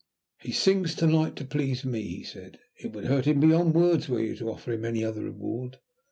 "He sings to night to please me," he said. "It would hurt him beyond words were you to offer him any other reward."